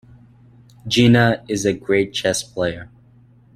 Gina is a great chess player.